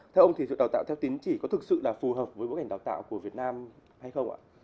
theo ông thì sự đào tạo theo tiến chỉ có thực sự là phù hợp với mô hình đào tạo của việt nam hay không ạ